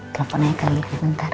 telepon aja kali ya deki bentar